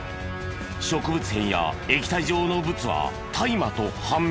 植物片や液体状のブツは大麻と判明。